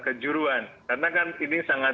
kejuruan karena kan ini sangat